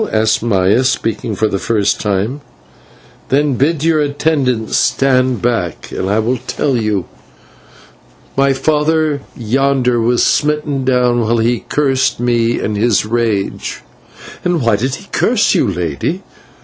asked Maya, speaking for the first time. "Then bid your attendant stand back, and I will tell you. My father yonder was smitten down while he cursed me in his rage." "And why did he curse you, Lady?"